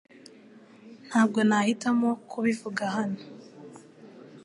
Ntabwo nahitamo kubivuga hano